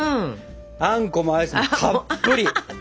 あんこもアイスもたっぷり！